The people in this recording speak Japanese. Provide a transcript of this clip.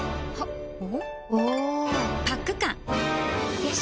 よし！